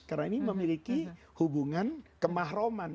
karena ini memiliki hubungan kemahroman